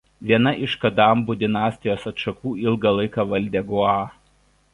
Viena iš kadambų dinastijos atšakų ilgą laiką valdė Goa.